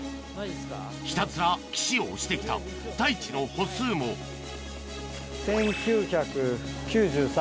ひたすら岸を押してきた太一の歩数も１９９３。